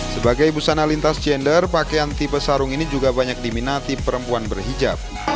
sebagai busana lintas gender pakaian tipe sarung ini juga banyak diminati perempuan berhijab